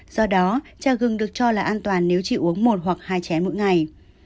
do đó trà gừng được cho là an toàn nếu chỉ uống một hoặc hai chén mỗi ngày